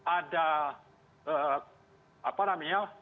ada apa namanya skema tersebut